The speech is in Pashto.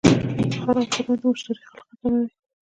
خراب خدمت د مشتری علاقه کموي.